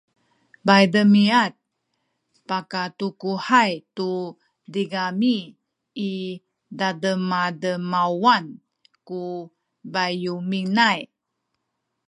paydemiad pakatukuhay tu tigami i tademademawan ku payubinay